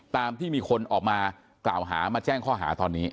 ตามที่มีคนออกมากล่าวหามาแจ้งข้อหาตอนนี้